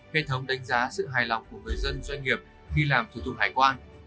hệ thống đánh giá sự hài lòng của người dân doanh nghiệp khi làm thủ tục hải quan